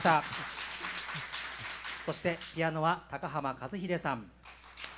そしてピアノは高浜和英さん。